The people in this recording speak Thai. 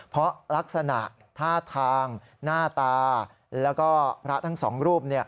เพราะลักษณะท่าทางหน้าตาแล้วก็พระทั้งสองรูป